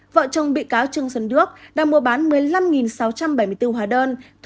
vợ chồng bị cáo trương sơn đước đã mua bán một mươi năm sáu trăm bảy mươi bốn hóa đơn thu lợi bất chính trên bốn mươi một tỷ đồng